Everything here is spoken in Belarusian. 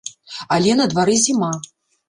Але на двары зіма!